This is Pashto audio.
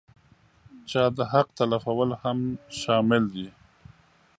چا د حق تلفول هم شامل دي.